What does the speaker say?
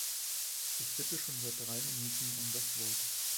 Ich bitte schon seit drei Minuten um das Wort.